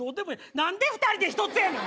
何で２人で１つやねん！